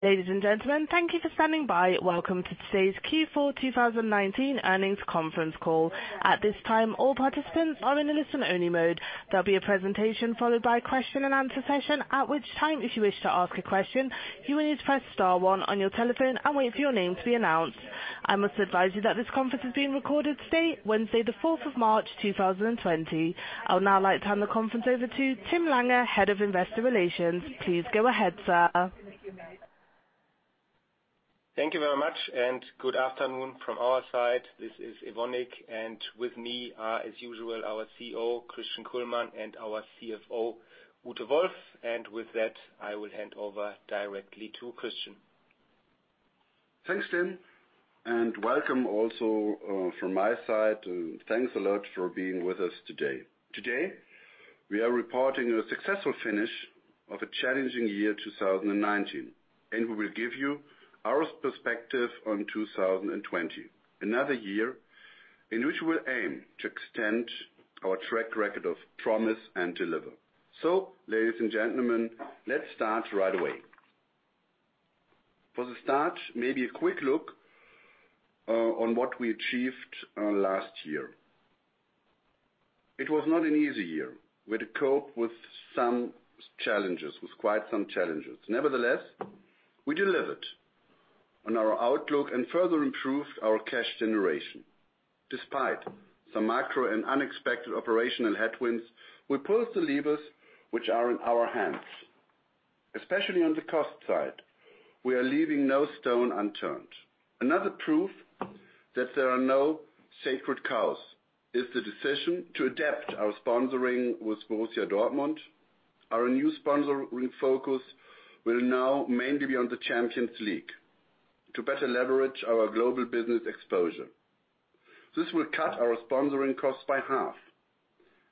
Ladies and gentlemen, thank you for standing by. Welcome to today's Q4 2019 earnings conference call. At this time, all participants are in a listen-only mode. There'll be a presentation followed by question and answer session. At which time, if you wish to ask a question, you will need to press star one on your telephone and wait for your name to be announced. I must advise you that this conference is being recorded today, Wednesday the 4th of March, 2020. I would now like to hand the conference over to Tim Lange, Head of Investor Relations. Please go ahead, sir. Thank you very much, and good afternoon from our side. This is Evonik, and with me are, as usual, our CEO, Christian Kullmann, and our CFO, Ute Wolf. With that, I will hand over directly to Christian. Thanks, Tim, and welcome also from my side. Thanks a lot for being with us today. Today, we are reporting a successful finish of a challenging year 2019, and we will give you our perspective on 2020. Another year in which we aim to extend our track record of promise and deliver. Ladies and gentlemen, let's start right away. For the start, maybe a quick look on what we achieved last year. It was not an easy year. We had to cope with some challenges, with quite some challenges. Nevertheless, we delivered on our outlook and further improved our cash generation. Despite some macro and unexpected operational headwinds, we pulled the levers which are in our hands. Especially on the cost side, we are leaving no stone unturned. Another proof that there are no sacred cows is the decision to adapt our sponsoring with Borussia Dortmund. Our new sponsoring focus will now mainly be on the Champions League to better leverage our global business exposure. This will cut our sponsoring costs by half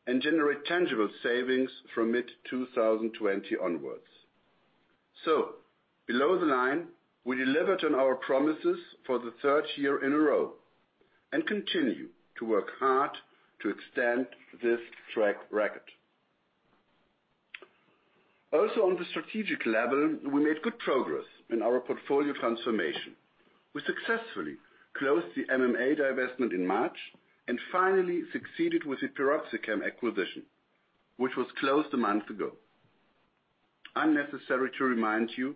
and generate tangible savings from mid-2020 onwards. Below the line, we delivered on our promises for the third year in a row and continue to work hard to extend this track record. On the strategic level, we made good progress in our portfolio transformation. We successfully closed the MMA divestment in March and finally succeeded with the PeroxyChem acquisition, which was closed a month ago. Unnecessary to remind you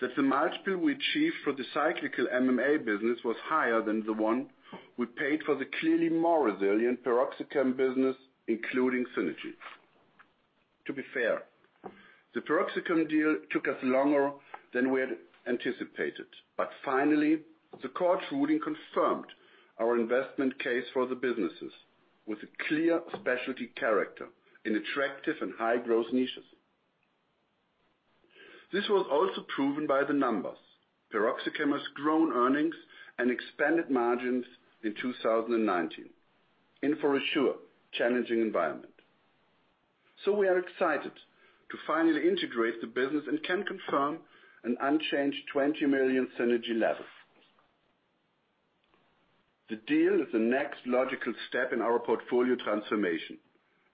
that the multiple we achieved for the cyclical MMA business was higher than the one we paid for the clearly more resilient PeroxyChem business, including synergy. To be fair, the PeroxyChem deal took us longer than we had anticipated, but finally, the court ruling confirmed our investment case for the businesses with a clear specialty character in attractive and high-growth niches. This was also proven by the numbers. PeroxyChem has grown earnings and expanded margins in 2019 in, for sure, challenging environment. We are excited to finally integrate the business and can confirm an unchanged 20 million synergy level. The deal is the next logical step in our portfolio transformation.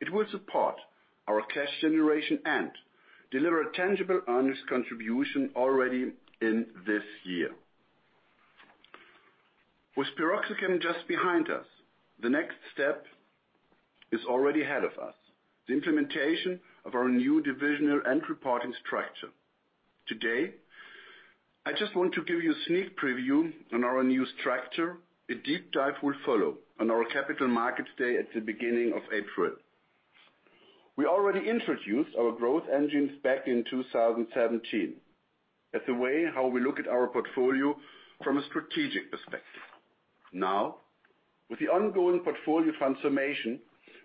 It will support our cash generation and deliver a tangible earnings contribution already in this year. With PeroxyChem just behind us, the next step is already ahead of us, the implementation of our new divisional and reporting structure. Today, I just want to give you a sneak preview on our new structure. A deep dive will follow on our Capital Markets Day at the beginning of April. We already introduced our growth engines back in 2017 as a way how we look at our portfolio from a strategic perspective. Now, with the ongoing portfolio transformation,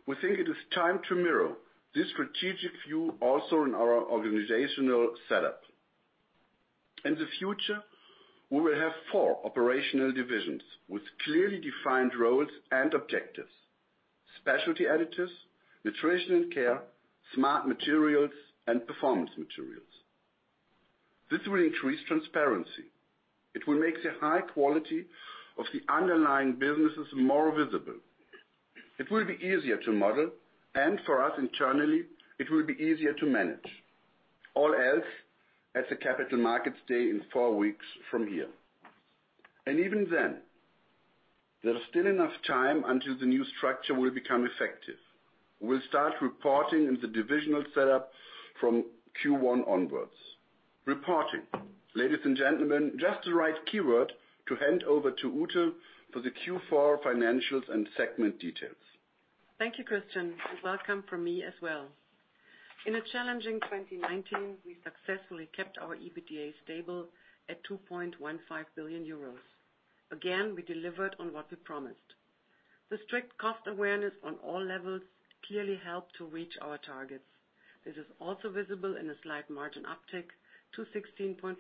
we think it is time to mirror this strategic view also in our organizational setup. In the future, we will have four operational divisions with clearly defined roles and objectives. Specialty Additives, Nutrition & Care, Smart Materials, and Performance Materials. This will increase transparency. It will make the high quality of the underlying businesses more visible. It will be easier to model, and for us internally, it will be easier to manage. All else at the Capital Markets Day in four weeks from here. Even then, there's still enough time until the new structure will become effective. We'll start reporting in the divisional setup from Q1 onwards. Reporting, ladies and gentlemen, just the right keyword to hand over to Ute for the Q4 financials and segment details. Thank you, Christian, and welcome from me as well. In a challenging 2019, we successfully kept our EBITDA stable at 2.15 billion euros, again we delivered on what we promised. The strict cost awareness on all levels clearly helped to reach our targets. This is also visible in a slight margin uptick to 16.4%.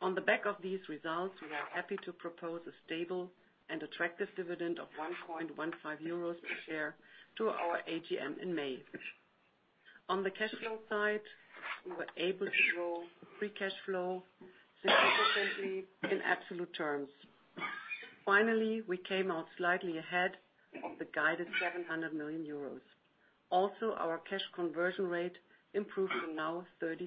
On the back of these results, we are happy to propose a stable and attractive dividend of 1.15 euros a share to our AGM in May. On the cash flow side, we were able to grow free cash flow significantly in absolute terms. Finally, we came out slightly ahead of the guided 700 million euros, also our cash conversion rate improved to now 33%.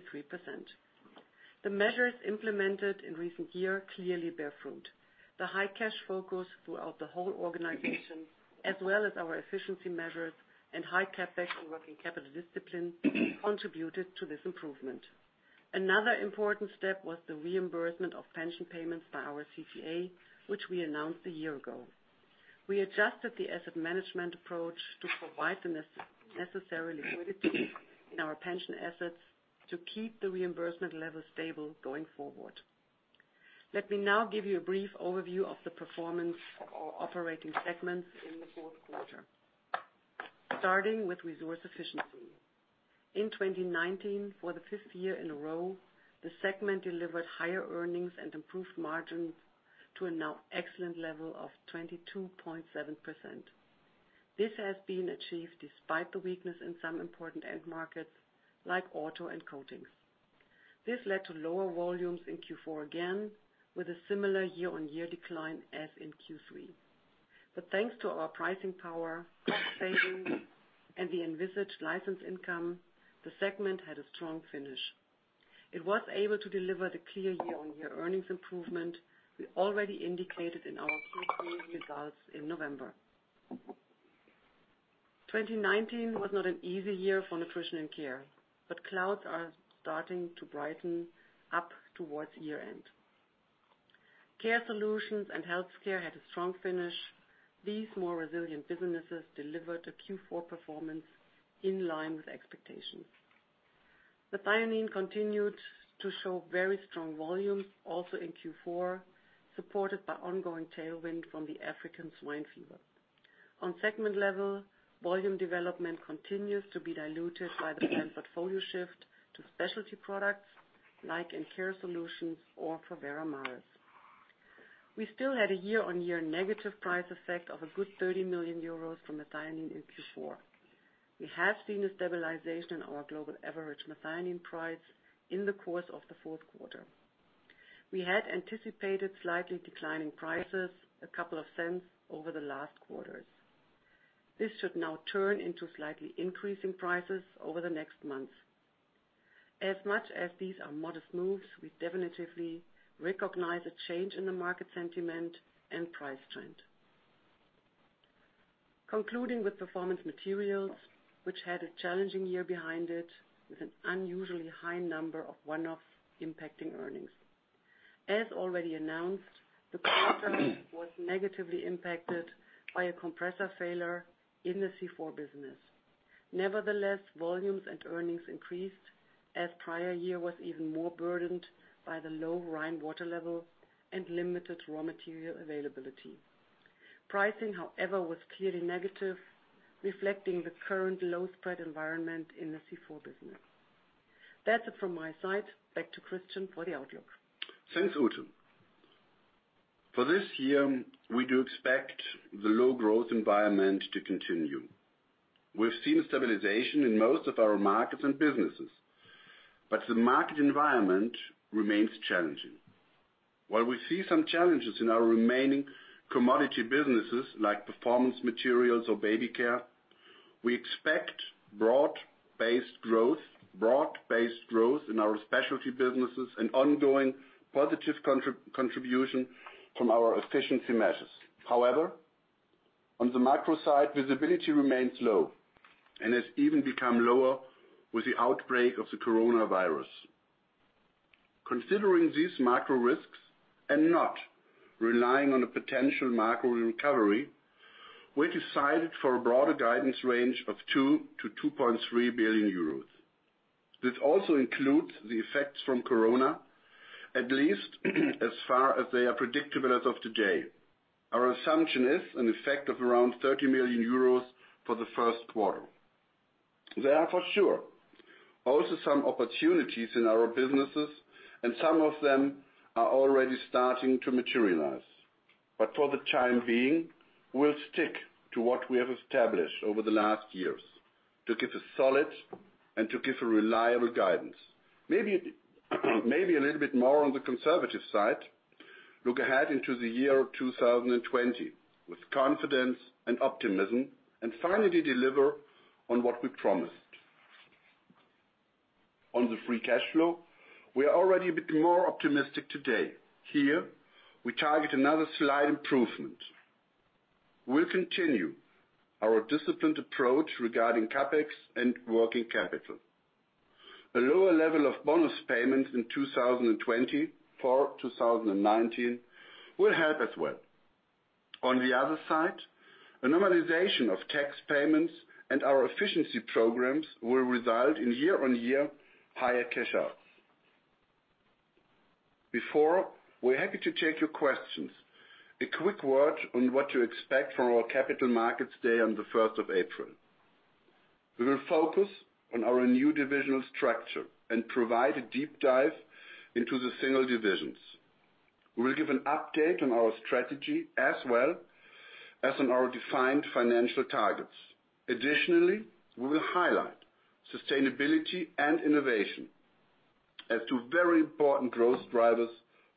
The measures implemented in recent year clearly bear fruit. The high cash focus throughout the whole organization, as well as our efficiency measures and high CapEx and working capital discipline contributed to this improvement. Another important step was the reimbursement of pension payments by our CTA, which we announced a year ago. We adjusted the asset management approach to provide the necessary liquidity in our pension assets to keep the reimbursement level stable going forward. Let me now give you a brief overview of the performance of our operating segments in the fourth quarter. Starting with Resource Efficiency. In 2019, for the fifth year in a row, the segment delivered higher earnings and improved margins to a now excellent level of 22.7%. This has been achieved despite the weakness in some important end markets, like auto and coatings. This led to lower volumes in Q4 again, with a similar year-on-year decline as in Q3. Thanks to our pricing power, cost savings, and the envisaged license income, the segment had a strong finish. It was able to deliver the clear year-on-year earnings improvement we already indicated in our Q3 results in November. 2019 was not an easy year for Nutrition & Care, but clouds are starting to brighten up towards year-end. Care Solutions and Health Care had a strong finish. These more resilient businesses delivered a Q4 performance in line with expectations. Methionine continued to show very strong volumes also in Q4, supported by ongoing tailwind from the African swine fever. On segment level, volume development continues to be diluted by the planned portfolio shift to specialty products like in Care Solutions or Veramaris. We still had a year-on-year negative price effect of a good 30 million euros from methionine in Q4. We have seen a stabilization in our global average methionine price in the course of the fourth quarter. We had anticipated slightly declining prices, a couple of cents over the last quarters. This should now turn into slightly increasing prices over the next months. As much as these are modest moves, we definitively recognize a change in the market sentiment and price trend. Concluding with Performance Materials, which had a challenging year behind it, with an unusually high number of one-off impacting earnings. As already announced, the quarter was negatively impacted by a compressor failure in the C4 business. Nevertheless, volumes and earnings increased, as prior year was even more burdened by the low Rhine water level and limited raw material availability. Pricing, however, was clearly negative, reflecting the current low spread environment in the C4 business. That's it from my side. Back to Christian for the outlook. Thanks, Ute. For this year, we do expect the low growth environment to continue. We've seen stabilization in most of our markets and businesses, but the market environment remains challenging. While we see some challenges in our remaining commodity businesses like Performance Materials or Baby Care, we expect broad-based growth in our specialty businesses and ongoing positive contribution from our efficiency measures. However, on the macro side, visibility remains low and has even become lower with the outbreak of the coronavirus. Considering these macro risks and not relying on a potential macro recovery, we decided for a broader guidance range of 2 billion-2.3 billion euros. This also includes the effects from corona, at least as far as they are predictable as of today. Our assumption is an effect of around 30 million euros for the first quarter. There are for sure also some opportunities in our businesses, and some of them are already starting to materialize. For the time being, we will stick to what we have established over the last years to give a solid and reliable guidance, maybe a little bit more on the conservative side, look ahead into the year 2020 with confidence and optimism, and finally deliver on what we promised. On the free cash flow, we are already a bit more optimistic today. Here, we target another slight improvement. We will continue our disciplined approach regarding CapEx and working capital. A lower level of bonus payments in 2020 for 2019 will help as well. On the other side, a normalization of tax payments and our efficiency programs will result in year-on-year higher cash out. Before, we are happy to take your questions. A quick word on what to expect from our Capital Markets Day on the 1st of April. We will focus on our new divisional structure and provide a deep dive into the single divisions. We will give an update on our strategy as well as on our defined financial targets. Additionally, we will highlight sustainability and innovation as two very important growth drivers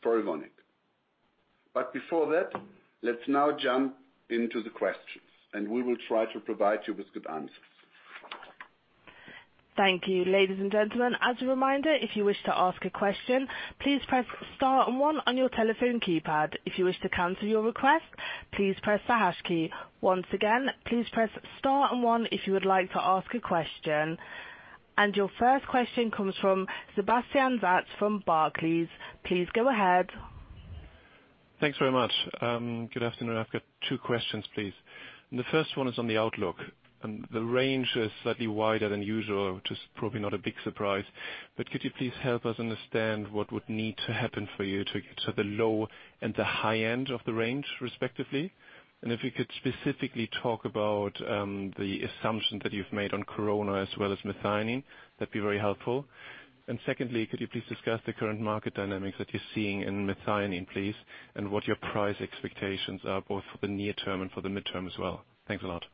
for Evonik. Before that, let's now jump into the questions, and we will try to provide you with good answers. Thank you. Ladies and gentlemen, as a reminder, if you wish to ask a question, please press star one on your telephone keypad. If you wish to cancel your request, please press the hash key. Once again, please press star one if you would like to ask a question. Your first question comes from Sebastian Satz from Barclays. Please go ahead. Thanks very much. Good afternoon. I've got two questions, please. The first one is on the outlook. The range is slightly wider than usual, which is probably not a big surprise. Could you please help us understand what would need to happen for you to get to the low and the high end of the range, respectively? If you could specifically talk about the assumption that you've made on corona as well as methionine, that'd be very helpful. Secondly, could you please discuss the current market dynamics that you're seeing in methionine, please, and what your price expectations are, both for the near term and for the midterm as well? Thanks a lot.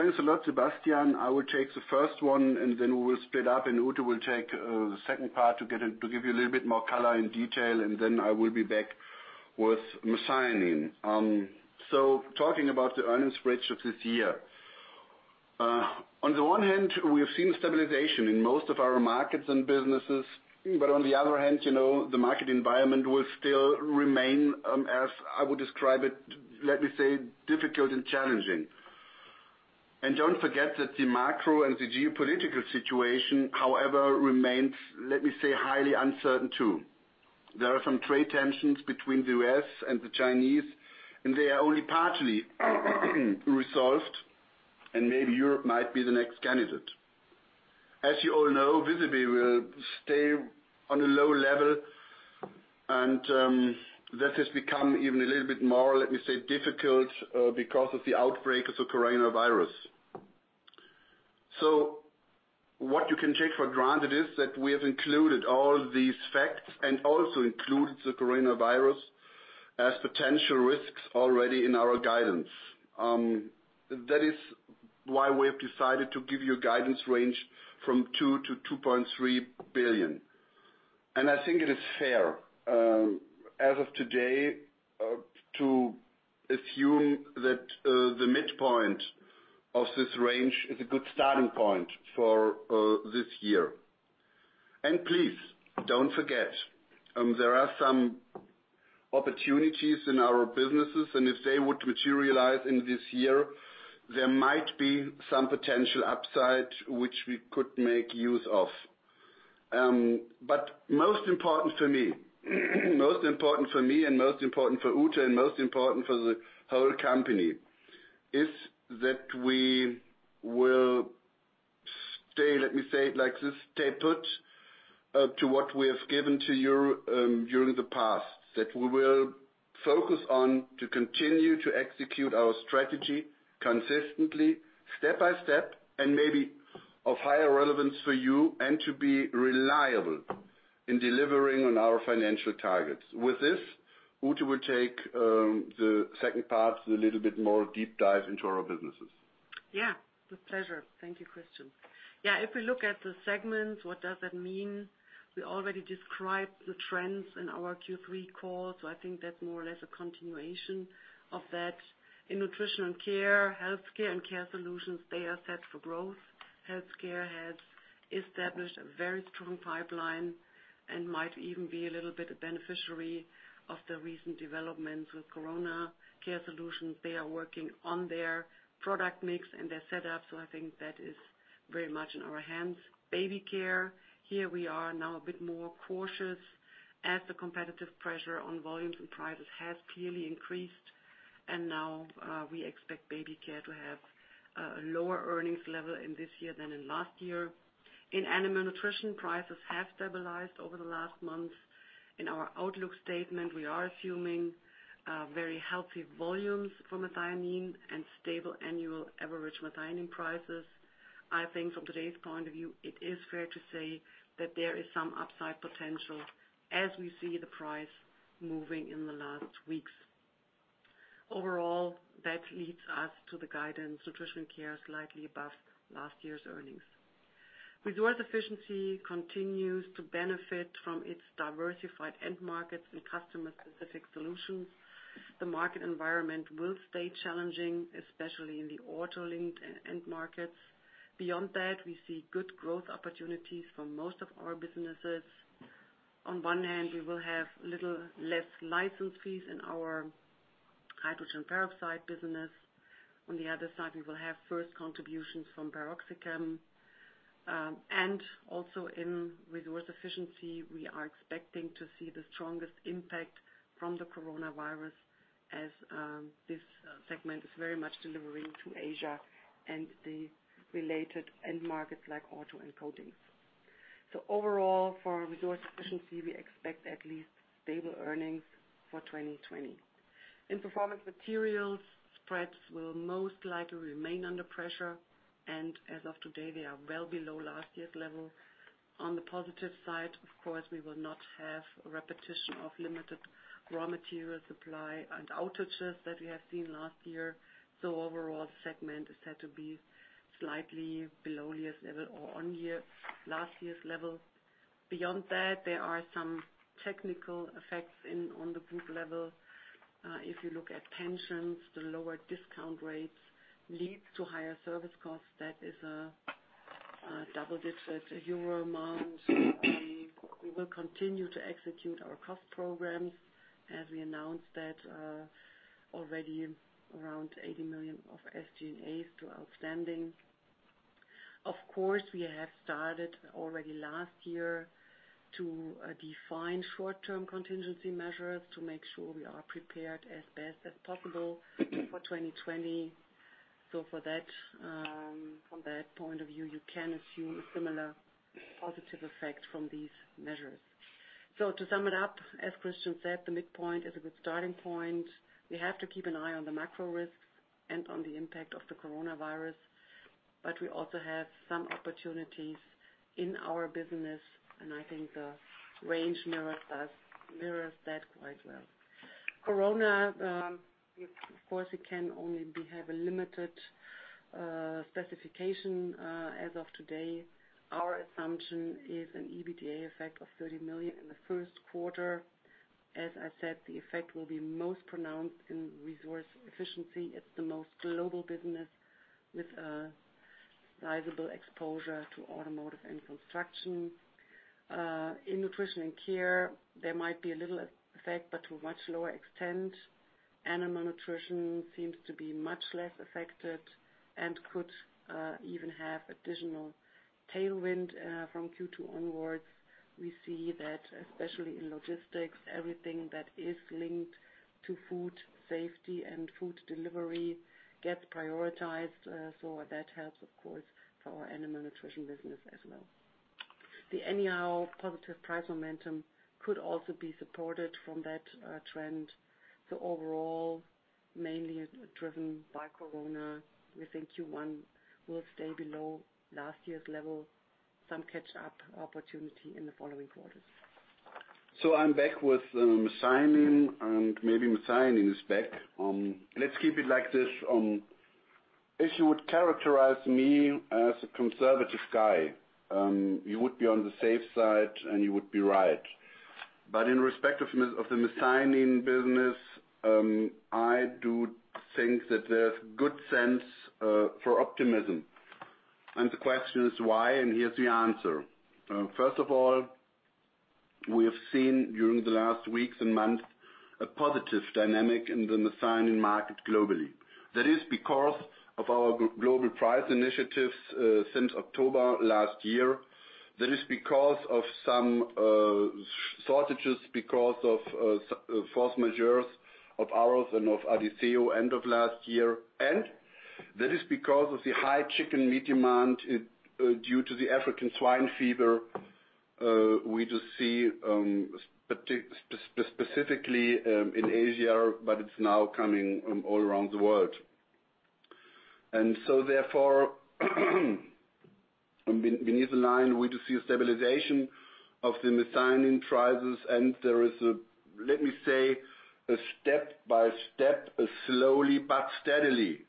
Thanks a lot, Sebastian. I will take the first one, then we will split up. Ute will take the second part to give you a little bit more color and detail, then I will be back with methionine. Talking about the earnings rates of this year. On the one hand, we have seen stabilization in most of our markets and businesses, but on the other hand, the market environment will still remain as I would describe it, let me say, difficult and challenging. Don't forget that the macro and the geopolitical situation, however, remains, let me say, highly uncertain, too. There are some trade tensions between the U.S. and the Chinese, and they are only partially resolved. Maybe Europe might be the next candidate. As you all know, visibility will stay on a low level, and that has become even a little bit more, let me say, difficult, because of the outbreak of the coronavirus. What you can take for granted is that we have included all these facts and also included the coronavirus as potential risks already in our guidance. That is why we have decided to give you a guidance range from 2 billion-2.3 billion. I think it is fair, as of today, to assume that the midpoint of this range is a good starting point for this year. Please don't forget, there are some opportunities in our businesses, and if they would materialize in this year, there might be some potential upside which we could make use of. Most important for me, and most important for Ute, and most important for the whole company is that we will stay, let me say it like this, stay put to what we have given to you during the past. That we will focus on to continue to execute our strategy consistently, step-by-step, and maybe of higher relevance for you and to be reliable in delivering on our financial targets. With this, Ute will take the second part, a little bit more deep dive into our businesses. With pleasure. Thank you, Christian. If we look at the segments, what does that mean? We already described the trends in our Q3 call. I think that's more or less a continuation of that. In Nutrition & Care, Health Care and Care Solutions, they are set for growth. Health Care has established a very strong pipeline and might even be a little bit a beneficiary of the recent developments with corona. Care Solutions, they are working on their product mix and their setup. I think that is very much in our hands. Baby Care, here we are now a bit more cautious as the competitive pressure on volumes and prices has clearly increased. Now we expect Baby Care to have a lower earnings level in this year than in last year. In Animal Nutrition, prices have stabilized over the last month. In our outlook statement, we are assuming very healthy volumes for methionine and stable annual average methionine prices. I think from today's point of view, it is fair to say that there is some upside potential as we see the price moving in the last weeks. Overall, that leads us to the guidance Nutrition & Care slightly above last year's earnings. Resource Efficiency continues to benefit from its diversified end markets and customer-specific solutions. The market environment will stay challenging, especially in the auto-linked end markets. Beyond that, we see good growth opportunities for most of our businesses. On one hand, we will have a little less license fees in our hydrogen peroxide business. On the other side, we will have first contributions from PeroxyChem. Also in Resource Efficiency, we are expecting to see the strongest impact from the coronavirus as this segment is very much delivering to Asia and the related end markets like auto and coatings. Overall for Resource Efficiency, we expect at least stable earnings for 2020. In Performance Materials, spreads will most likely remain under pressure, and as of today, they are well below last year's level. On the positive side, of course, we will not have a repetition of limited raw material supply and outages that we have seen last year. Overall segment is set to be slightly below last year's level. Beyond that, there are some technical effects on the group level. If you look at pensions, the lower discount rates lead to higher service costs. That is a double-digit euro amount. We will continue to execute our cost programs. As we announced that already around 80 million of SG&A still outstanding. Of course, we have started already last year to define short-term contingency measures to make sure we are prepared as best as possible for 2020. For that, from that point of view, you can assume a similar positive effect from these measures. To sum it up, as Christian said, the midpoint is a good starting point. We have to keep an eye on the macro risks and on the impact of the coronavirus, but we also have some opportunities in our business, and I think the range mirrors that quite well. Corona, of course, it can only have a limited specification as of today. Our assumption is an EBITDA effect of 30 million in the first quarter. As I said, the effect will be most pronounced in Resource Efficiency. It's the most global business with a sizable exposure to automotive and construction. In Nutrition & Care, there might be a little effect, but to a much lower extent. Animal Nutrition seems to be much less affected and could even have additional tailwind from Q2 onwards. We see that, especially in logistics, everything that is linked to food safety and food delivery gets prioritized. That helps, of course, for our Animal Nutrition business as well. The annual positive price momentum could also be supported from that trend. Overall, mainly driven by corona, we think Q1 will stay below last year's level, then some catch-up opportunity in the following quarters. I'm back with methionine, and maybe methionine is back. Let's keep it like this. If you would characterize me as a conservative guy, you would be on the safe side and you would be right. In respect of the methionine business, I do think that there's good sense for optimism. The question is why, and here's the answer. First of all, we have seen during the last weeks and months a positive dynamic in the methionine market globally. That is because of our global price initiatives since October last year. That is because of some shortages because of force majeure of ours and of Adisseo end of last year. That is because of the high chicken meat demand due to the African swine fever we do see specifically in Asia, but it's now coming all around the world. Beneath the line, we do see a stabilization of the methionine prices, and there is a, let me say, a step-by-step, slowly but steadily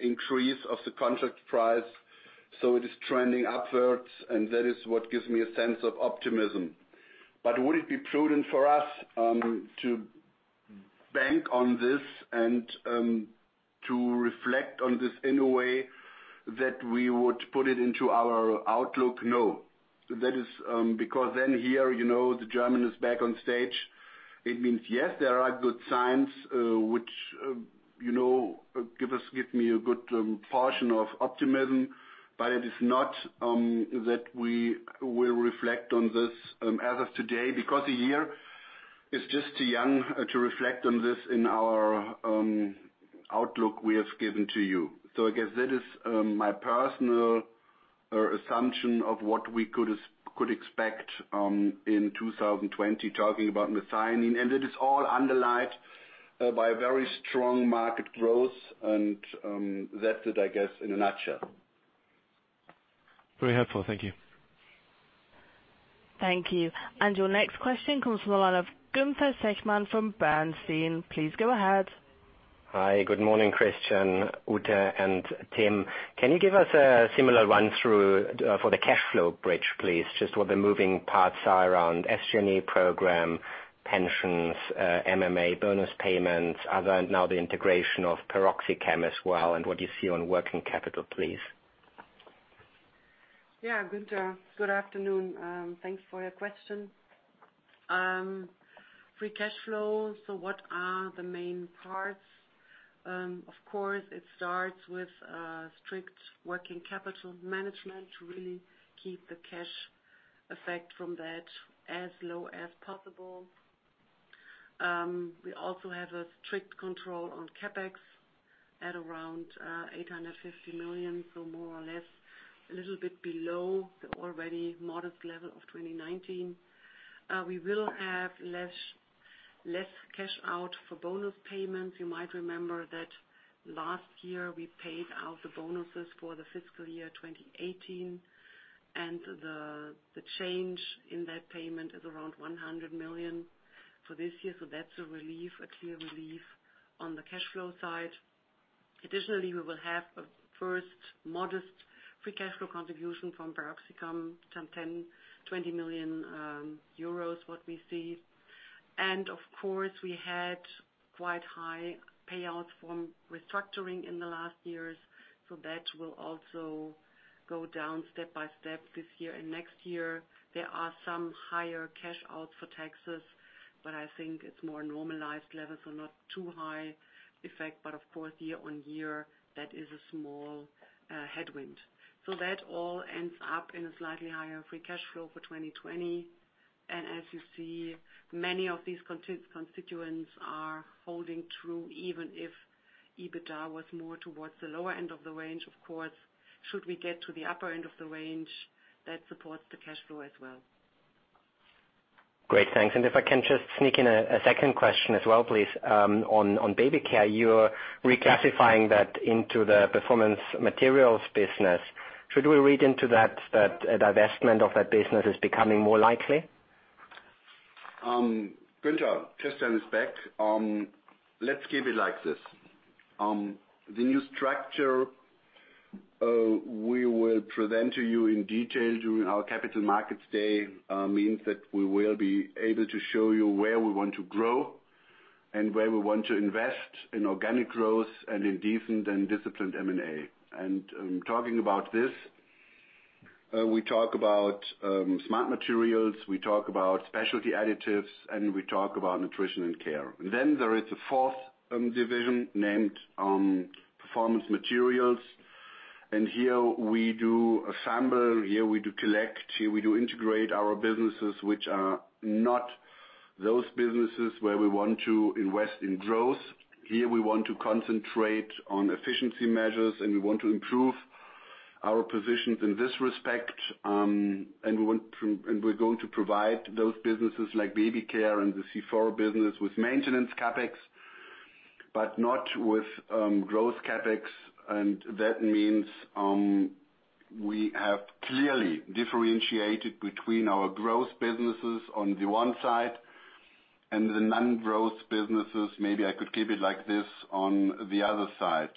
increase of the contract price. It is trending upwards, and that is what gives me a sense of optimism. Would it be prudent for us to bank on this and to reflect on this in a way that we would put it into our outlook? No. That is because here, the German is back on stage. It means, yes, there are good signs, which give me a good portion of optimism, but it is not that we will reflect on this as of today because the year is just too young to reflect on this in our outlook we have given to you. I guess that is my personal assumption of what we could expect in 2020, talking about methionine, and that is all underlined by a very strong market growth, and that's it, I guess, in a nutshell. Very helpful. Thank you. Thank you. Your next question comes from the line of Gunther Zechmann from Bernstein. Please go ahead. Hi, good morning, Christian, Ute, and Tim. Can you give us a similar run through for the cash flow bridge, please? Just what the moving parts are around SG&A program, pensions, MMA bonus payments, other, and now the integration of PeroxyChem as well, and what you see on working capital, please. Yeah, Gunther. Good afternoon. Thanks for your question. Free cash flow, what are the main parts? Of course, it starts with strict working capital management to really keep the cash effect from that as low as possible. We also have a strict control on CapEx at around 850 million, more or less a little bit below the already modest level of 2019. We will have less cash out for bonus payments. You might remember that last year we paid out the bonuses for the Fiscal Year 2018, the change in that payment is around 100 million for this year. That's a relief, a clear relief on the cash flow side. Additionally, we will have a first modest free cash flow contribution from PeroxyChem, some 10 million-20 million euros, what we see. Of course, we had quite high payouts from restructuring in the last years. That will also go down step by step this year and next year. There are some higher cash outs for taxes. I think it's more normalized levels, so not too high effect. Of course, year-over-year, that is a small headwind. That all ends up in a slightly higher free cash flow for 2020. As you see, many of these constituents are holding true, even if EBITDA was more towards the lower end of the range, of course. Should we get to the upper end of the range, that supports the cash flow as well. Great. Thanks. If I can just sneak in a second question as well, please. On Baby Care, you're reclassifying that into the Performance Materials business. Should we read into that a divestment of that business is becoming more likely? Gunther, just to inspect, let's keep it like this. The new structure, we will present to you in detail during our Capital Markets Day, means that we will be able to show you where we want to grow and where we want to invest in organic growth and in decent and disciplined M&A. Talking about this, we talk about Smart Materials, we talk about Specialty Additives, and we talk about Nutrition & Care. There is a fourth division named Performance Materials, here we do assemble, here we do collect, here we do integrate our businesses, which are not those businesses where we want to invest in growth. Here we want to concentrate on efficiency measures, we want to improve our positions in this respect. We're going to provide those businesses like Baby Care and the C4 business with maintenance CapEx, not with growth CapEx. That means we have clearly differentiated between our growth businesses on the one side and the non-growth businesses, maybe I could keep it like this, on the other side.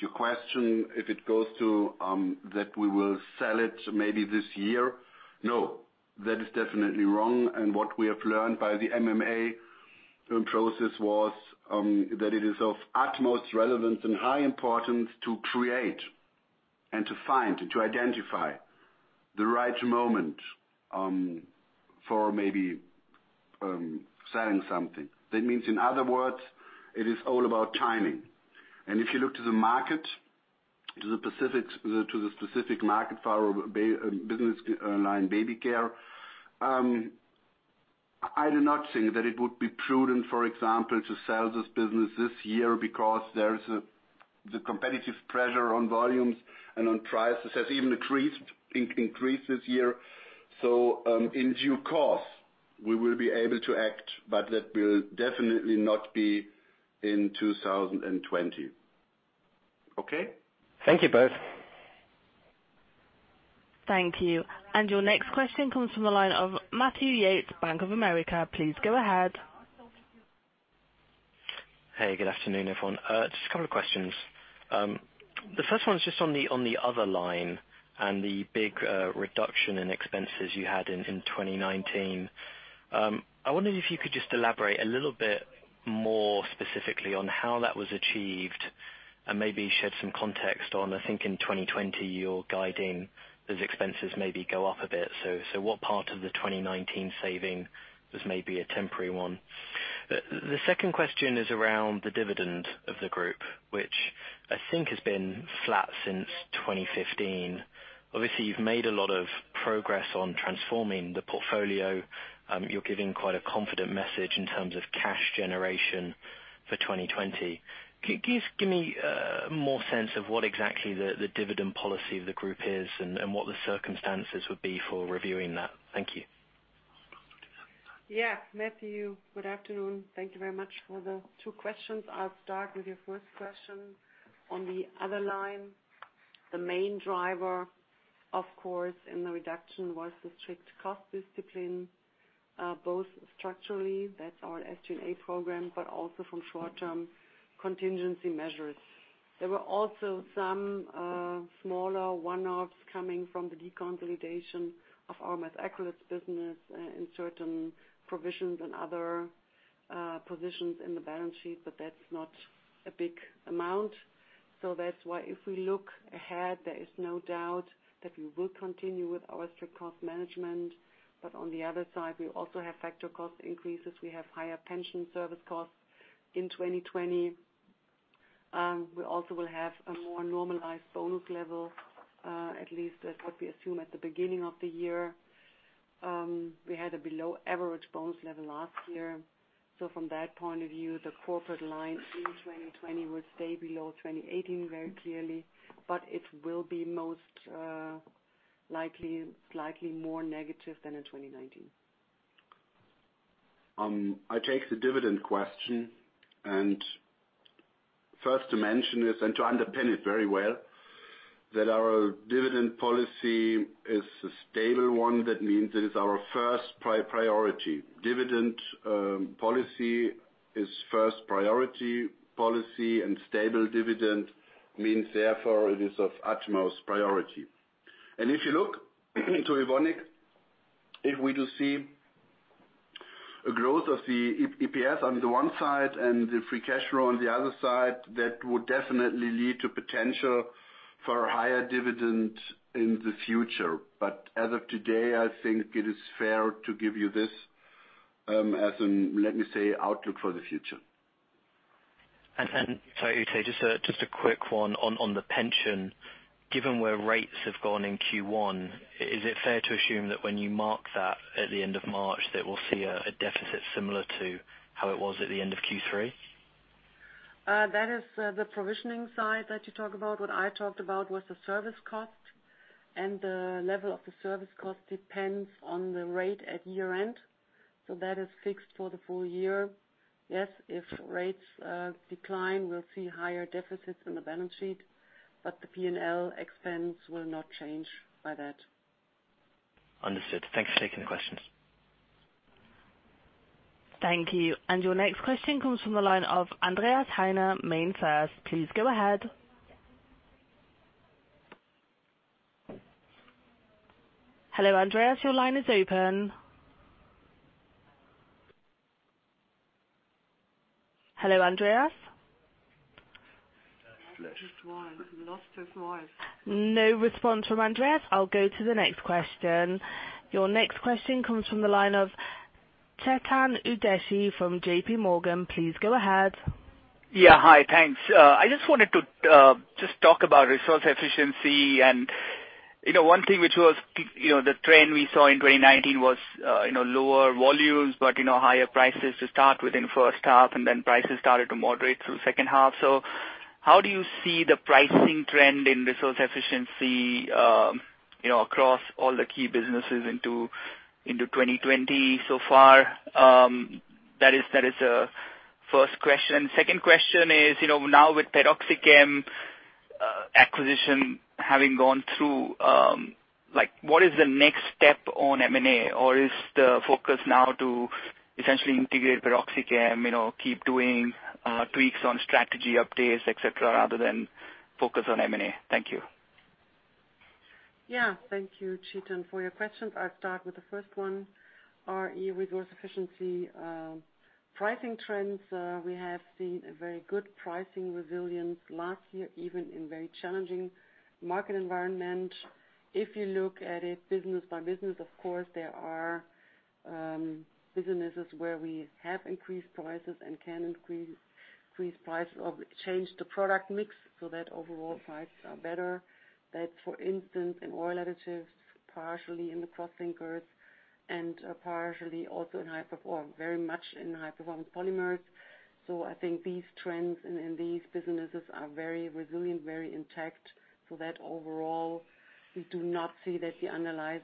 Your question, if it goes to that we will sell it maybe this year, no. That is definitely wrong, and what we have learned by the MMA process was that it is of utmost relevance and high importance to create and to find, to identify the right moment for maybe selling something. That means, in other words, it is all about timing. If you look to the market, to the specific market for our business line, Baby Care, I do not think that it would be prudent, for example, to sell this business this year because there's the competitive pressure on volumes and on prices has even increased this year. In due course, we will be able to act, but that will definitely not be in 2020. Okay? Thank you both. Thank you. Your next question comes from the line of Matthew Yates, Bank of America. Please go ahead. Hey, good afternoon, everyone. Just a couple of questions. The first one is just on the Other line and the big reduction in expenses you had in 2019. I wonder if you could just elaborate a little bit more specifically on how that was achieved and maybe shed some context on, I think in 2020, you're guiding those expenses maybe go up a bit. What part of the 2019 saving was maybe a temporary one? The second question is around the dividend of the group, which I think has been flat since 2015. Obviously, you've made a lot of progress on transforming the portfolio. You're giving quite a confident message in terms of cash generation for 2020. Give me more sense of what exactly the dividend policy of the group is and what the circumstances would be for reviewing that. Thank you. Matthew, good afternoon. Thank you very much for the two questions. I'll start with your first question. On the Other line, the main driver, of course, in the reduction was the strict cost discipline, both structurally, that's our SG&A program, but also from short-term contingency measures. There were also some smaller one-offs coming from the deconsolidation of our Methacrylates business in certain provisions and other positions in the balance sheet, but that's not a big amount. That's why if we look ahead, there is no doubt that we will continue with our strict cost management. On the other side, we also have factor cost increases. We have higher pension service costs in 2020. We also will have a more normalized bonus level, at least that's what we assume at the beginning of the year. We had a below average bonus level last year. From that point of view, the corporate line in 2020 will stay below 2018 very clearly, but it will be most likely slightly more negative than in 2019. I take the dividend question. First to mention this and to underpin it very well, that our dividend policy is a stable one. That means it is our first priority. Dividend policy is first priority policy, and stable dividend means, therefore, it is of utmost priority. If you look to Evonik, if we do see a growth of the EPS on the one side and the free cash flow on the other side, that would definitely lead to potential for a higher dividend in the future. As of today, I think it is fair to give you this as an, let me say, outlook for the future. Sorry, Ute, just a quick one on the pension. Given where rates have gone in Q1, is it fair to assume that when you mark that at the end of March, that we'll see a deficit similar to how it was at the end of Q3? That is the provisioning side that you talk about. What I talked about was the service cost, and the level of the service cost depends on the rate at year-end. That is fixed for the full year. Yes, if rates decline, we'll see higher deficits in the balance sheet, but the P&L expense will not change by that. Understood. Thanks for taking the questions. Thank you. Your next question comes from the line of Andreas Heine, MainFirst. Please go ahead. Hello, Andreas, your line is open. Hello, Andreas? Lost his voice. No response from Andreas. I'll go to the next question. Your next question comes from the line of Chetan Udeshi from JPMorgan. Please go ahead. Yeah. Hi, thanks. I just wanted to talk about Resource Efficiency and one thing which was the trend we saw in 2019 was lower volumes, but higher prices to start with in first half, and then prices started to moderate through second half. How do you see the pricing trend in Resource Efficiency across all the key businesses into 2020 so far? That is first question. Second question is, now with PeroxyChem acquisition having gone through, what is the next step on M&A? Is the focus now to essentially integrate PeroxyChem, keep doing tweaks on strategy updates, et cetera, rather than focus on M&A? Thank you. Yeah. Thank you, Chetan, for your question. I'll start with the first one. RE Resource Efficiency pricing trends, we have seen a very good pricing resilience last year, even in very challenging market environment. If you look at it business by business, of course, there are businesses where we have increased prices and can change the product mix so that overall prices are better. That, for instance, in Oil Additives, partially in the Crosslinkers, and partially also very much in High Performance Polymers. I think these trends in these businesses are very resilient, very intact. That overall, we do not see that the underlying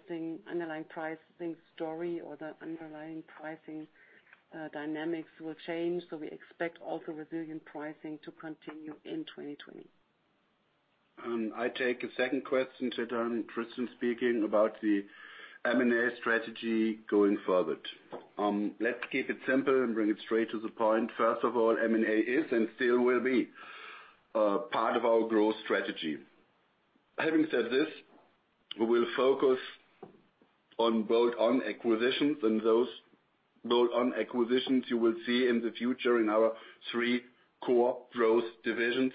pricing story or the underlying pricing dynamics will change. We expect also resilient pricing to continue in 2020. I take the second question, Chetan. Christian speaking, about the M&A strategy going forward. Let's keep it simple and bring it straight to the point. First of all, M&A is and still will be a part of our growth strategy. Having said this, we will focus on bolt-on acquisitions and those bolt-on acquisitions you will see in the future in our three core growth divisions: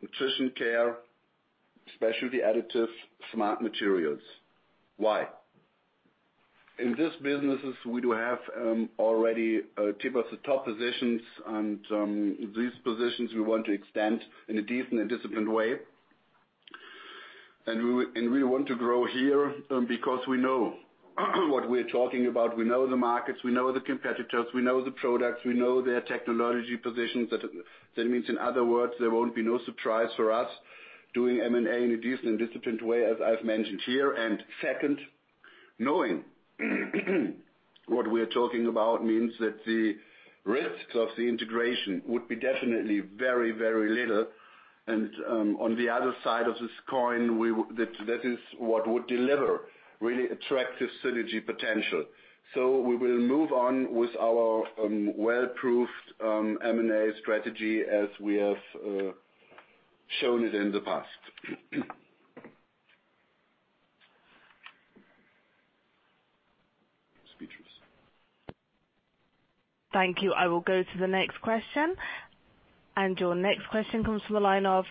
Nutrition & Care, Specialty Additives, Smart Materials. Why? In these businesses, we do have already tip of the top positions, and these positions we want to extend in a decent and disciplined way. We want to grow here because we know what we're talking about. We know the markets, we know the competitors, we know the products, we know their technology positions. That means, in other words, there won't be no surprise for us doing M&A in a decent and disciplined way, as I've mentioned here. Second, knowing what we're talking about means that the risks of the integration would be definitely very, very little. On the other side of this coin, that is what would deliver really attractive synergy potential. We will move on with our well-proved M&A strategy as we have shown it in the past. Thank you. I will go to the next question. Your next question comes from the line of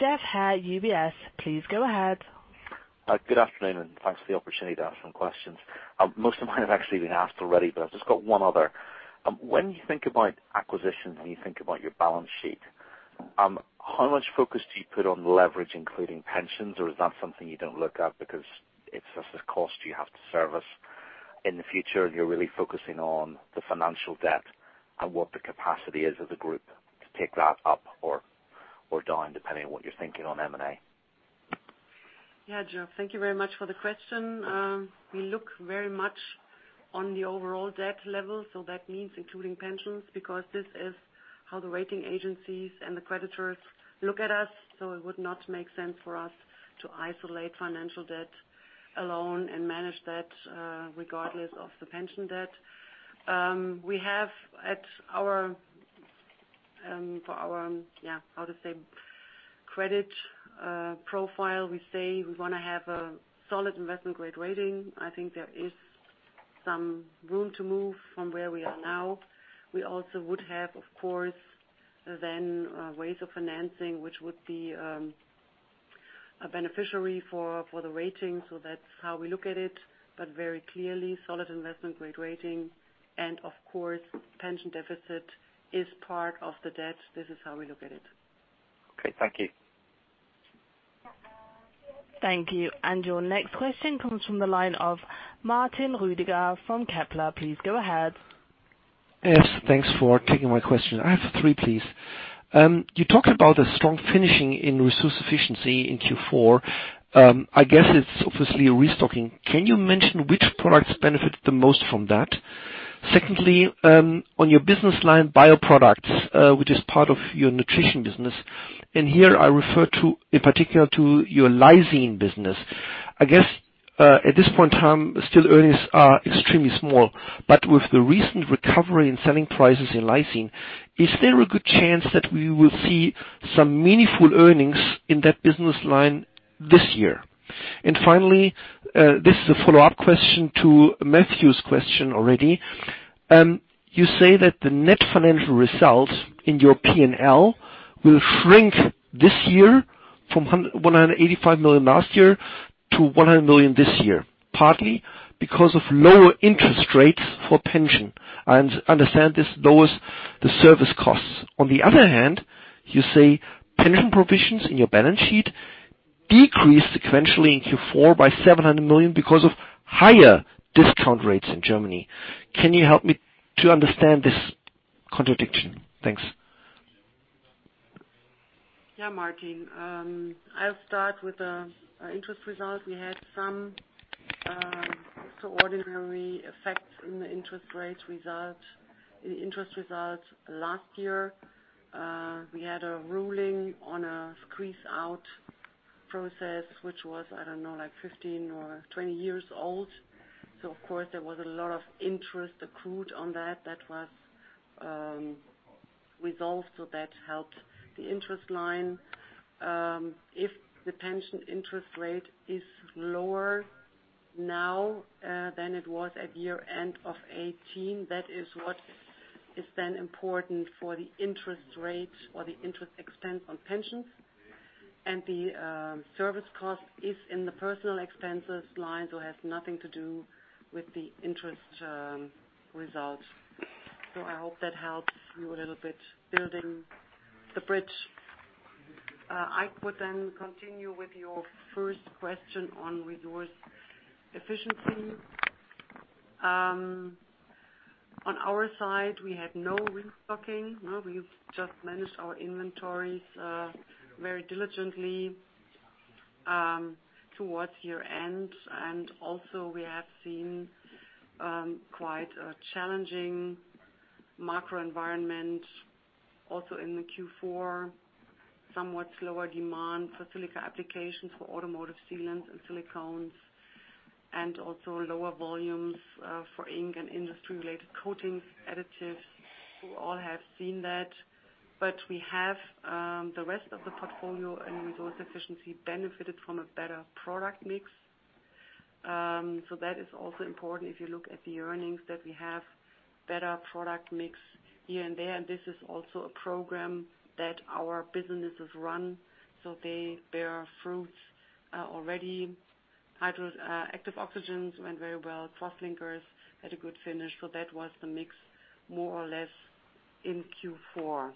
Geoff Haire, UBS. Please go ahead. Good afternoon. Thanks for the opportunity to ask some questions. Most of mine have actually been asked already. I've just got one other. When you think about acquisitions and you think about your balance sheet, how much focus do you put on leverage including pensions, or is that something you don't look at because it's just a cost you have to service in the future, and you're really focusing on the financial debt and what the capacity is of the group to take that up or down, depending on what you're thinking on M&A? Yeah, Geoff, thank you very much for the question. We look very much on the overall debt level, that means including pensions, because this is how the rating agencies and the creditors look at us. It would not make sense for us to isolate financial debt alone and manage that regardless of the pension debt. We have for our, how to say, credit profile, we say we want to have a solid investment-grade rating. I think there is some room to move from where we are now. We also would have, of course, ways of financing, which would be beneficiary for the rating. That's how we look at it. Very clearly solid investment-grade rating, and, of course, pension deficit is part of the debt. This is how we look at it. Okay, thank you. Thank you. Your next question comes from the line of Martin Roediger from Kepler. Please go ahead. Yes, thanks for taking my question. I have three, please. You talked about a strong finishing in Resource Efficiency in Q4. I guess it's obviously a restocking. Can you mention which products benefit the most from that? Secondly, on your business line, bioproducts, which is part of your nutrition business, and here I refer in particular to your lysine business. I guess, at this point in time, still earnings are extremely small. With the recent recovery in selling prices in lysine, is there a good chance that we will see some meaningful earnings in that business line this year? Finally, this is a follow-up question to Matthew's question already. You say that the net financial results in your P&L will shrink this year from 185 million last year to 100 million this year, partly because of lower interest rates for pension. I understand this lowers the service costs. On the other hand, you say pension provisions in your balance sheet decreased sequentially in Q4 by 700 million because of higher discount rates in Germany. Can you help me to understand this contradiction? Thanks. Yeah, Martin. I'll start with the interest result. We had some extraordinary effects in the interest results last year. We had a ruling on a squeeze-out process, which was, I don't know, 15 or 20 years old. Of course, there was a lot of interest accrued on that. That was resolved, that helped the interest line. If the pension interest rate is lower now than it was at year-end of 2018, that is what is important for the interest rate or the interest expense on pensions. The service cost is in the personal expenses line, it has nothing to do with the interest result. I hope that helps you a little bit building the bridge. I could continue with your first question on Resource Efficiency. On our side, we had no restocking. No, we've just managed our inventories very diligently towards year-end. We have seen quite a challenging macro environment also in the Q4, somewhat slower demand for silica applications for automotive sealants and silicones, and also lower volumes for ink and industry-related coatings, additives. We all have seen that. We have the rest of the portfolio and Resource Efficiency benefited from a better product mix. That is also important if you look at the earnings that we have better product mix here and there. This is also a program that our businesses run, so they bear fruits already. Active Oxygens went very well. Crosslinkers had a good finish. That was the mix more or less in Q4.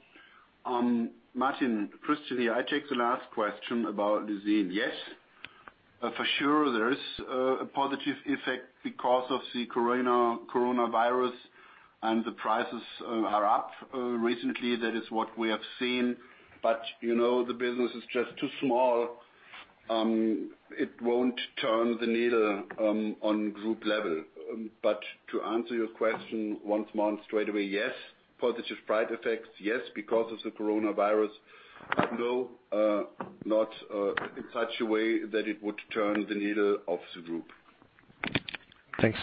Martin, Christian here. I take the last question about lysine. Yes, for sure there is a positive effect because of the coronavirus and the prices are up recently. That is what we have seen. The business is just too small. It won't turn the needle on group level. To answer your question once more and straight away, yes, positive price effects, yes, because of the coronavirus. No, not in such a way that it would turn the needle of the group. Thanks.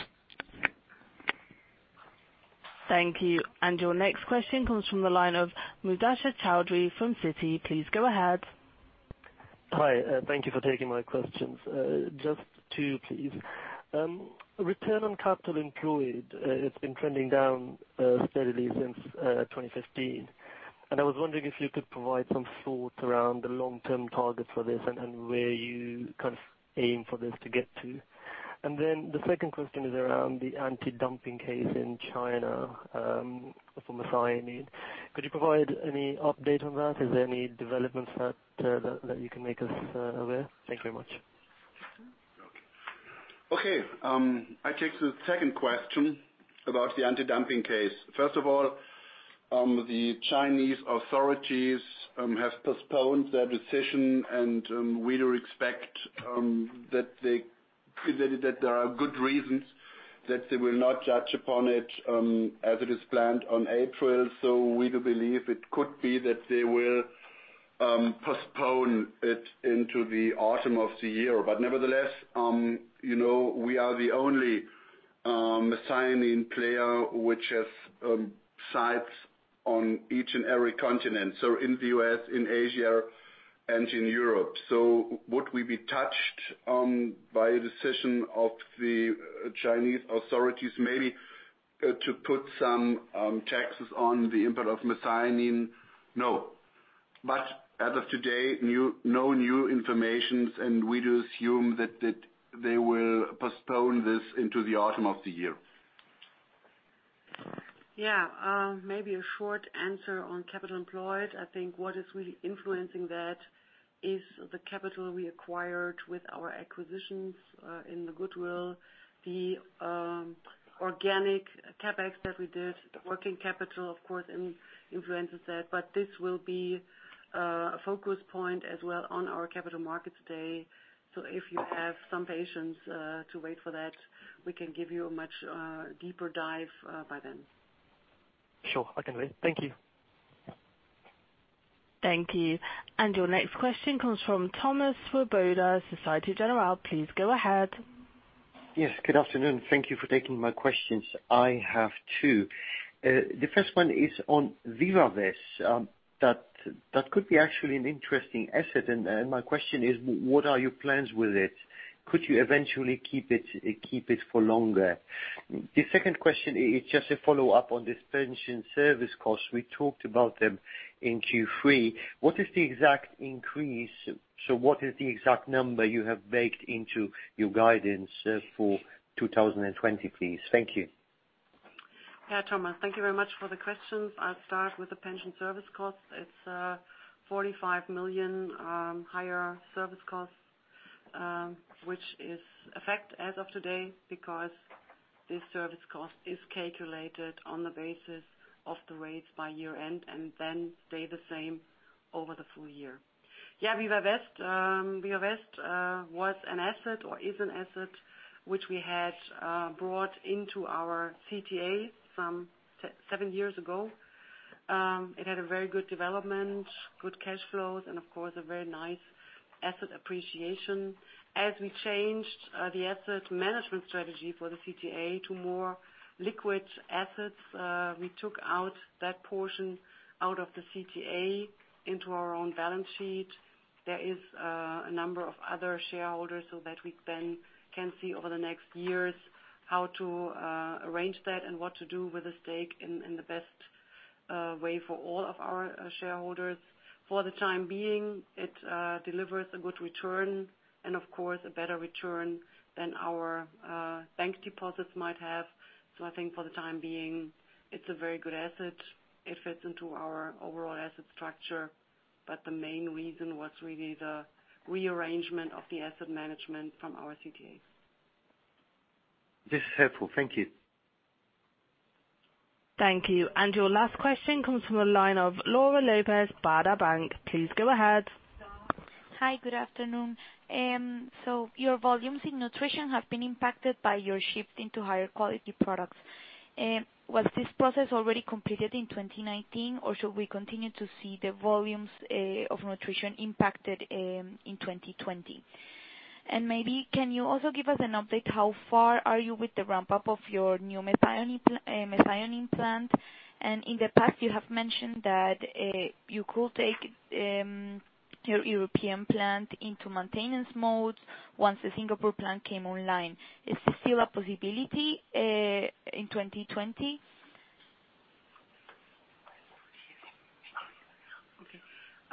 Thank you. Your next question comes from the line of Mubasher Chaudhry from Citi. Please go ahead. Hi. Thank you for taking my questions. Just two, please. Return on capital employed has been trending down steadily since 2015. I was wondering if you could provide some thought around the long-term target for this and where you kind of aim for this to get to. The second question is around the anti-dumping case in China for methionine. Could you provide any update on that? Is there any developments that you can make us aware? Thank you very much. I take the second question about the anti-dumping case. The Chinese authorities have postponed their decision. We do expect that there are good reasons that they will not judge upon it as it is planned on April. We do believe it could be that they will postpone it into the autumn of the year. Nevertheless, we are the only methionine player which has sites on each and every continent, in the U.S., in Asia, and in Europe. Would we be touched by a decision of the Chinese authorities maybe to put some taxes on the import of methionine? No. As of today, no new information. We do assume that they will postpone this into the autumn of the year. Yeah. Maybe a short answer on capital employed. I think what is really influencing that is the capital we acquired with our acquisitions in the goodwill, the organic CapEx that we did. Working capital, of course, influences that. This will be a focus point as well on our capital markets day. If you have some patience to wait for that, we can give you a much deeper dive by then. Sure, I can wait. Thank you. Thank you. Your next question comes from Thomas Swoboda, Société Générale. Please go ahead. Yes, good afternoon. Thank you for taking my questions. I have two. The first one is on Vivawest. That could be actually an interesting asset, and my question is, what are your plans with it? Could you eventually keep it for longer? The second question is just a follow-up on this pension service cost. We talked about them in Q3. What is the exact increase? What is the exact number you have baked into your guidance for 2020, please? Thank you. Yeah, Thomas, thank you very much for the questions. I'll start with the pension service cost. It's 45 million higher service cost, which is effect as of today because this service cost is calculated on the basis of the rates by year-end and then stay the same over the full year. Yeah, Vivawest was an asset or is an asset which we had brought into our CTA some seven years ago. It had a very good development, good cash flows, and of course, a very nice asset appreciation. As we changed the asset management strategy for the CTA to more liquid assets, we took out that portion out of the CTA into our own balance sheet. There is a number of other shareholders so that we then can see over the next years how to arrange that and what to do with the stake in the best way for all of our shareholders. For the time being, it delivers a good return and of course, a better return than our bank deposits might have. I think for the time being, it's a very good asset. It fits into our overall asset structure, but the main reason was really the rearrangement of the asset management from our CTAs. This is helpful. Thank you. Thank you. Your last question comes from the line of Laura Lopez, Baader Bank. Please go ahead. Hi, good afternoon. Your volumes in Nutrition have been impacted by your shift into higher quality products. Was this process already completed in 2019, or should we continue to see the volumes of Nutrition impacted in 2020? Maybe can you also give us an update, how far are you with the ramp-up of your new methionine plant? In the past, you have mentioned that you could take your European plant into maintenance mode once the Singapore plant came online. Is this still a possibility in 2020?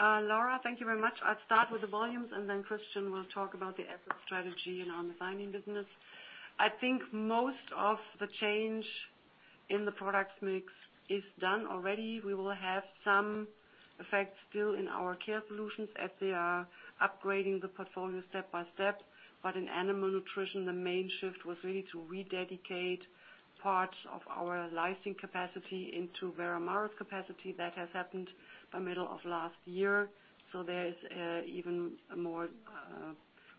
Laura, thank you very much. I'll start with the volumes, and then Christian will talk about the asset strategy in our methionine business. I think most of the change in the product mix is done already. We will have some effects still in our Care Solutions as we are upgrading the portfolio step by step. In Animal Nutrition, the main shift was really to re-dedicate parts of our lysine capacity into Veramaris capacity. That has happened by middle of last year. There is even a more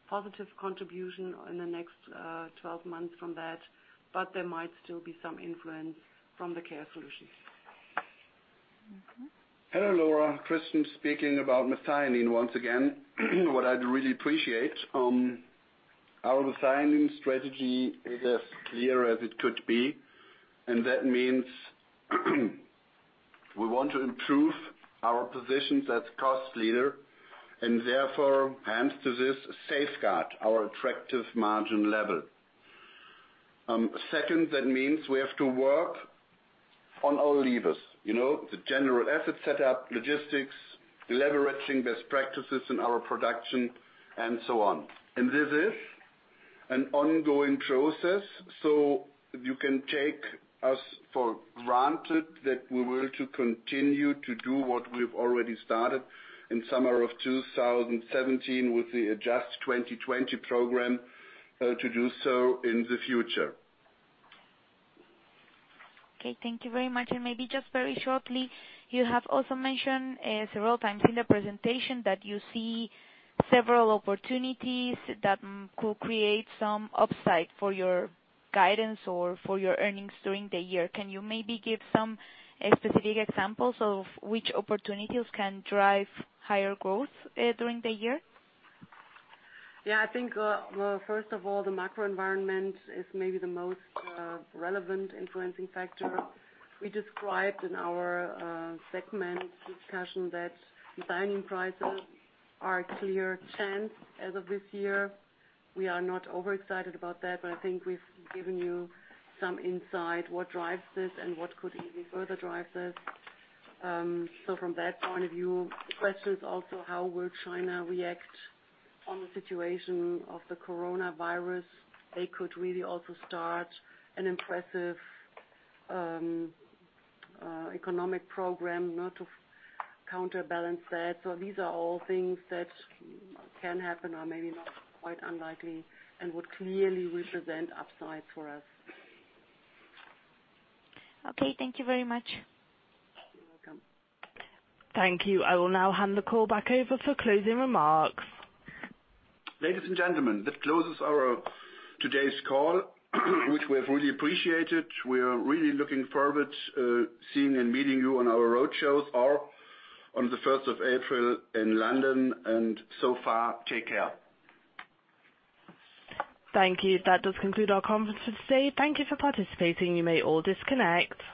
positive contribution in the next 12 months from that. There might still be some influence from the Care Solutions. Hello, Laura. Christian speaking about methionine once again. What I'd really appreciate, our methionine strategy is as clear as it could be. That means we want to improve our positions as cost leader and therefore, hence to this, safeguard our attractive margin level. Second, that means we have to work on our levers. The general asset set up, logistics, leveraging best practices in our production, and so on. This is an ongoing process. You can take us for granted that we will continue to do what we've already started in summer of 2017 with the Adjust 2020 program to do so in the future. Okay, thank you very much. Maybe just very shortly, you have also mentioned several times in the presentation that you see several opportunities that could create some upside for your guidance or for your earnings during the year. Can you maybe give some specific examples of which opportunities can drive higher growth during the year? I think, first of all, the macro environment is maybe the most relevant influencing factor. We described in our segment discussion that methionine prices are a clear chance as of this year. We are not overexcited about that, but I think we've given you some insight what drives this and what could maybe further drive this. From that point of view, the question is also how will China react on the situation of the coronavirus? They could really also start an impressive economic program now to counterbalance that. These are all things that can happen or maybe not, quite unlikely, and would clearly represent upside for us. Okay, thank you very much. You're welcome. Thank you. I will now hand the call back over for closing remarks. Ladies and gentlemen, that closes today's call, which we have really appreciated. We are really looking forward to seeing and meeting you on our roadshows or on the 1st of April in London, and so far, take care. Thank you. That does conclude our conference for today. Thank you for participating. You may all disconnect.